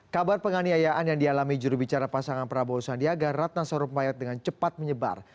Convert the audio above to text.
kabar penganiayaan yang dialami jurubicara pasangan prabowo sandiaga ratna sarumpayat dengan cepat menyebar